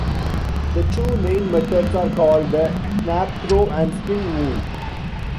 The two main methods are called the "snap throw" and "spin move".